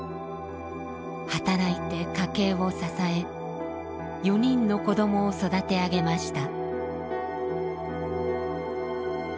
働いて家計を支え４人の子どもを育て上げました。